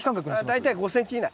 大体５ｃｍ以内。